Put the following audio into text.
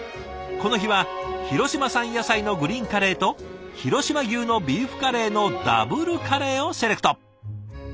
この日は広島産野菜のグリーンカレーと広島牛のビーフカレーのダブルカレーをセレクト。